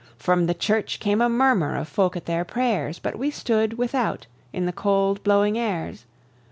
From the church came a murmur of folk at their prayers, But we stood without in the cold blowing airs.